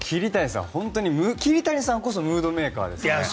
本当に桐谷さんこそムードメーカーですよね。